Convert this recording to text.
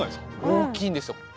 大きいんですよ。